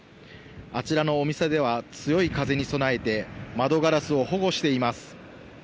あちらのお店では、強い風に備えて、窓ガラスを保護しています。